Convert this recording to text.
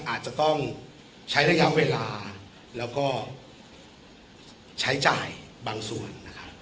อาจจะต้องใช้ระยะเวลาแล้วก็ใช้จ่ายบางส่วนนะครับ